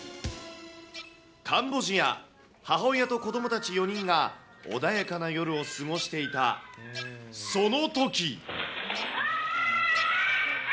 カンボジア、母親と子どもたち４人が、穏やかな夜を過ごしていたそのとき。